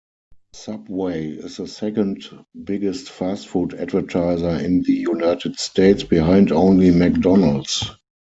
Subway is the second-biggest fast food advertiser in the United States, behind only McDonald's.